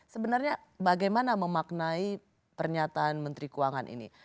sebenarnya bagaimana memaknai pernyataan menteri keuangan ini